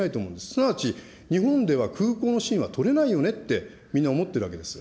すなわち、日本では空港のシーンは撮れないよねってみんな思ってるわけです。